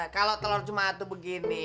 kalau telor cuma atuh begini